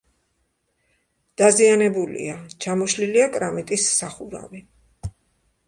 დაზიანებულია: ჩამოშლილია კრამიტის სახურავი.